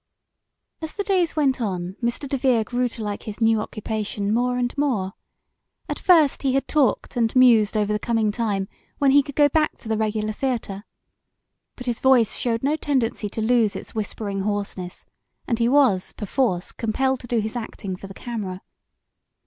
As the days went on Mr. DeVere grew to like his new occupation more and more. At first he had talked and mused over the coming time when he could go back to the regular theatre. But his voice showed no tendency to lose its whispering hoarseness, and he was, perforce, compelled to do his acting for the camera.